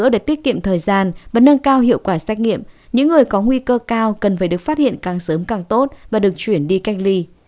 để tiết kiệm thời gian và nâng cao hiệu quả xét nghiệm những người có nguy cơ cao cần phải được phát hiện càng sớm càng tốt và được chuyển đi cách ly